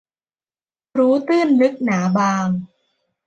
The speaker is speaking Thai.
รู้ตื้นลึกหนาบาง